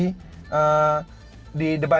kontrol tengah ini sobat tempat cv